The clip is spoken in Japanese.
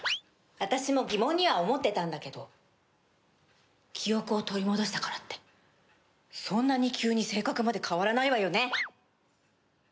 私も疑問には思ってたんだけど記憶を取り戻したからってそんなに急に性格まで変わらないわよね？